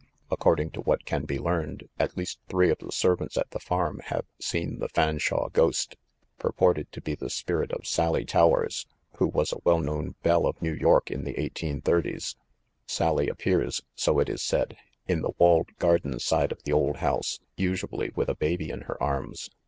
According to what can be learned, at least three of the serv ants at the farm have seen the "Fanshawe ghost," purported to be the spirit of Sally Towers, who was a well known belle of New York in the 1830's. Sally appears, so it is said, in the walled garden side of the old house, usually with a baby in her arms.